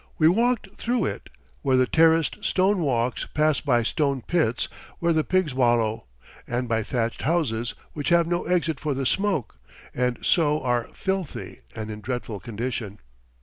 We walked through it, where the terraced stone walks pass by stone pits where the pigs wallow, and by thatched houses which have no exit for the smoke and so are filthy and in dreadful condition.